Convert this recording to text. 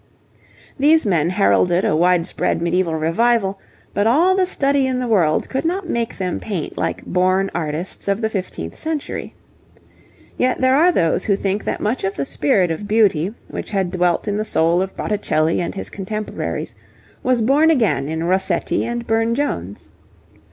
These men heralded a widespread medieval revival, but all the study in the world could not make them paint like born artists of the fifteenth century. Yet there are those who think that much of the spirit of beauty, which had dwelt in the soul of Botticelli and his contemporaries, was born again in Rossetti and Burne Jones.